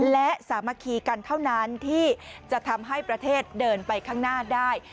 และสามัคคีกันเท่านั้นที่จะทำให้ประเทศเดินไปข้างหน้าได้